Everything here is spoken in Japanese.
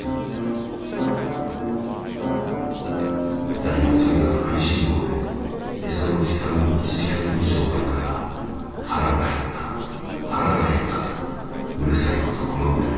「ダリはとにかく食いしん坊で餌の時間の１時間以上前から腹が減った腹が減ったとうるさいことこの上ない」。